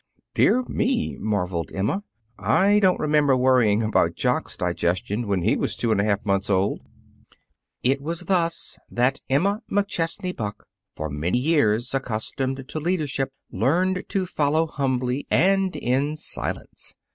"Dear me!" marveled Emma. "I don't remember worrying about Jock's digestion when he was two and a half months old!" It was thus that Emma McChesney Buck, for many years accustomed to leadership, learned to follow humbly and in silence.